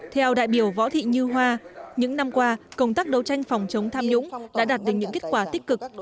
theo đại biểu võ thị như hoa những năm qua công tác đấu tranh phòng chống tham nhũng đã đạt được những kết quả tích cực